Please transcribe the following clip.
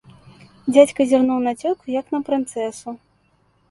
Дзядзька зірнуў на цётку, як на прынцэсу.